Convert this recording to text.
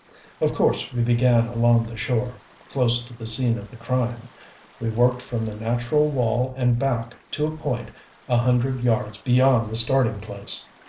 Of course we began along the shore, close to the scene of the crime. We worked from the natural wall and back to a point a hundred yards beyond the starting place.